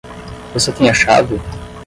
Você tem a chave?